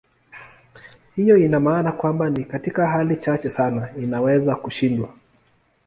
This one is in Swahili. Hiyo ina maana kwamba ni katika hali chache sana inaweza kushindwa.